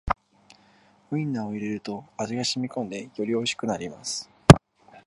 ウインナーを入れると味がしみこんでよりおいしくなります